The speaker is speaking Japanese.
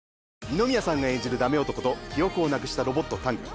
二宮さんが演じるダメ男と記憶をなくしたロボットタング。